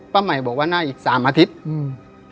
ใหม่บอกว่าหน้าอีกสามอาทิตย์อืม